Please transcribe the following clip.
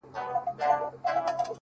بيا دادی پخلا سوه .چي ستا سومه.